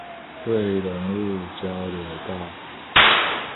瑞隆路交流道